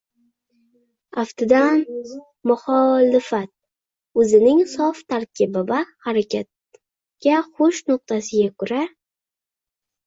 Aftidan, “muxolifat” – o‘zining sof tarkibi va harakatga kelish nuqtasiga ko‘ra